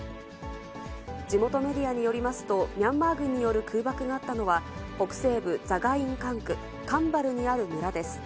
地元メディアによりますと、ミャンマー軍による空爆があったのは、北西部ザガイン管区カンバルにある村です。